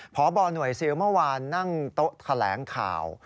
พบหน่วยซิลเมื่อวานนั่งโต๊ะแถลงข่าว